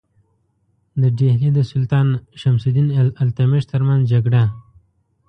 د ډهلي د سلطان شمس الدین التمش ترمنځ جګړه.